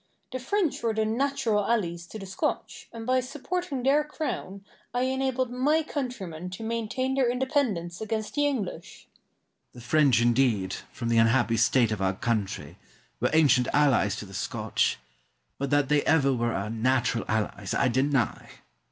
The French were the natural allies to the Scotch, and by supporting their Crown I enabled my countrymen to maintain their independence against the English. Argyle. The French, indeed, from the unhappy state of our country, were ancient allies to the Scotch, but that they ever were our natural allies I deny.